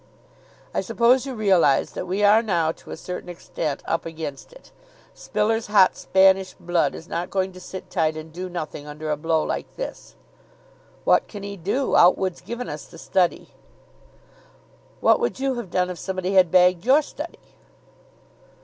I suppose you realise that we are now to a certain extent up against it. Spiller's hot Spanish blood is not going to sit tight and do nothing under a blow like this." "What can he do? Outwood's given us the study." "What would you have done if somebody had bagged your study?"